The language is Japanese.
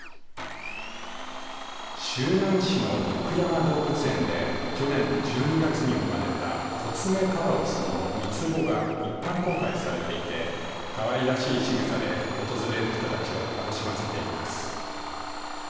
周南市の徳山動物園で去年１２月に生まれたコツメカワウソの３つ子が、一般公開されていてかわいらしいしぐさで訪れる人たちを楽しませています。